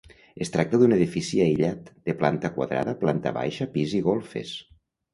Es tracta d'un edifici aïllat, de planta quadrada, planta baixa, pis i golfes.